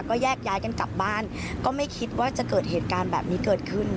ก็แยกย้ายกันกลับบ้านก็ไม่คิดว่าจะเกิดเหตุการณ์แบบนี้เกิดขึ้น